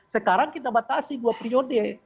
sekarang kita batasi dua periode